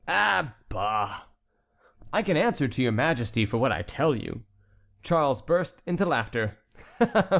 "Ah, bah." "I can answer to your Majesty for what I tell you." Charles burst into laughter.